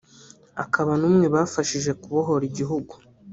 akaba ni umwe bafashije kubohora igihugu